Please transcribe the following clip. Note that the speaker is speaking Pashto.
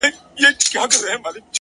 ډبري غورځوې تر شا لاسونه هم نیسې؛